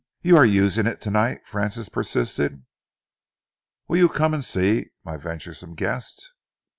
"You are using it to night?" Francis persisted. "Will you come and see, my venturesome guest?"